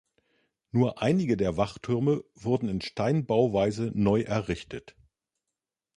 Nur einige der Wachtürme wurden in Steinbauweise neu errichtet.